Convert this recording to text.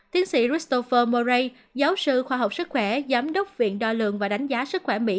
tiến sĩ ristopher morai giáo sư khoa học sức khỏe giám đốc viện đo lượng và đánh giá sức khỏe mỹ